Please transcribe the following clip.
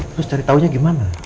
terus cari taunya gimana